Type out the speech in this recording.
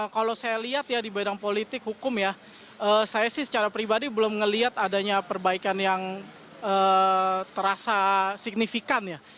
kalau saya lihat ya di bidang politik hukum ya saya sih secara pribadi belum melihat adanya perbaikan yang terasa signifikan ya